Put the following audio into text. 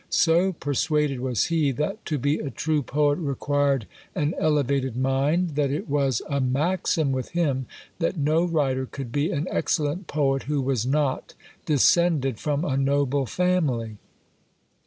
So persuaded was he that to be a true poet required an elevated mind, that it was a maxim with him that no writer could be an excellent poet who was not descended from a noble family.